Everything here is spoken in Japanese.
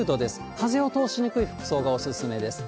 風を通しにくい服装がお勧めです。